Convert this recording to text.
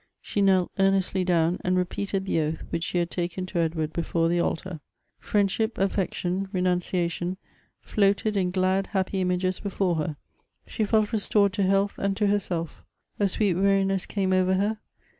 She knelt earnestly down, and repeated the oath which she had taken to Edward before the altar. Friendship, affection, renunciation, floated in glad, happy images before her. She felt restored to health and to herself A sweet weariness came over her.